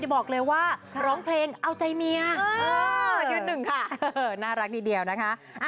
บอกเลยว่าร้องเพลงเอาใจเมียยืนหนึ่งค่ะน่ารักดีเดียวนะคะ